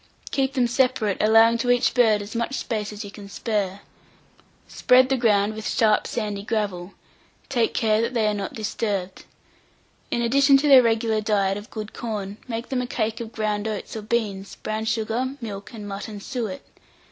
Keep them separate, allowing to each bird as much space as you can spare. Spread the ground with sharp sandy gravel; take care that they are not disturbed. In addition to their regular diet of good corn, make them a cake of ground oats or beans, brown sugar, milk, and mutton suet.